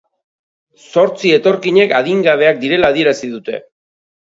Zortzi etorkinek adingabeak direla adierazi dute.